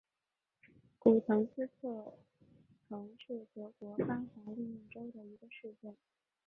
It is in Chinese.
古滕斯特滕是德国巴伐利亚州的一个市镇。